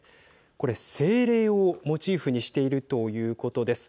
これ、精霊をモチーフにしているということです。